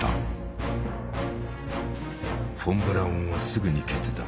フォン・ブラウンはすぐに決断。